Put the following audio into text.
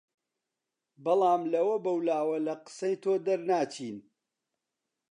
بەڵام لەوە بەولاوە لە قسەی تۆ دەرناچین